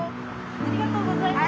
ありがとうございます。